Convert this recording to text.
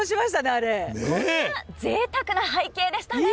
あれはぜいたくな背景でしたね。